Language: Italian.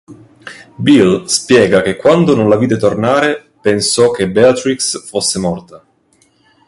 Bill spiega che quando non la vide tornare pensò che Beatrix fosse morta.